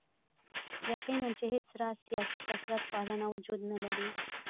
یقیناً چې هېڅ راز سیاسي کثرت پالنه وجود نه لري.